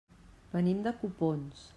Venim de Copons.